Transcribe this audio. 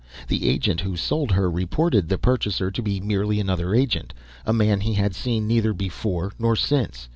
The agent who sold her reported the purchaser to be merely another agent, a man he had seen neither before nor since.